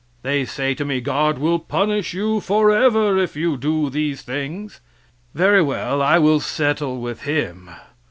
They say to me, "God will punish you forever, if you do these things." Very well. I will settle with Him.